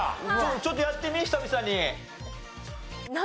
ちょっとやってみ久々に。